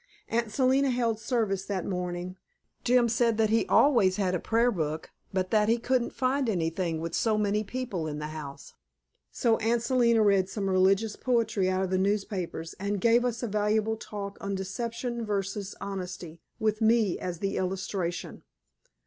Aunt Selina held service that morning. Jim said that he always had a prayer book, but that he couldn't find anything with so many people in the house. So Aunt Selina read some religious poetry out of the newspapers, and gave us a valuable talk on Deception versus Honesty, with me as the illustration.